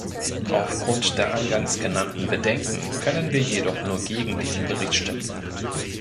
Aufgrund der eingangs genannten Bedenken können wir jedoch nur gegen diesen Bericht stimmen.